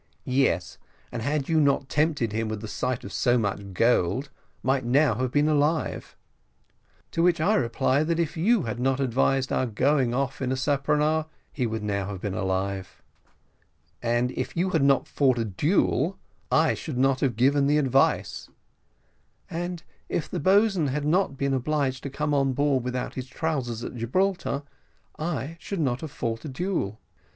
"Yes, and had you not tempted him with the sight of so much gold, might now have been alive." "To which I reply, that if you had not advised our going off in a speronare, he would now have been alive." "And if you had not fought a duel, I should not have given the advice." "And if the boatswain had not been obliged to come on board without his trousers, at Gibraltar, I should not have fought a duel."